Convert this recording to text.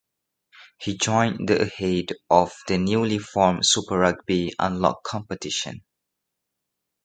He joined the ahead of the newly formed Super Rugby Unlocked competition.